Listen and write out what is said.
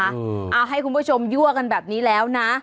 เอาให้คุณผู้ชมยั่วกันแบบนี้แล้วนะ